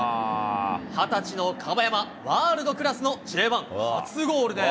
２０歳の樺山、ワールドクラスのＪ１初ゴールです。